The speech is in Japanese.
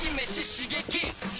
刺激！